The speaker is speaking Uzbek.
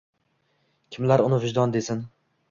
Kimlar uni vijdon desin